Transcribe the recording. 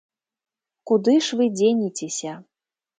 Куды ж вы дзенецеся?